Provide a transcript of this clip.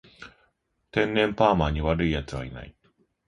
天然パーマに悪い奴はいない